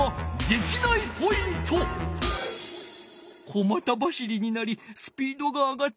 小また走りになりスピードが上がっておらん。